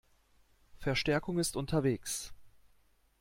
Verstärkung ist unterwegs.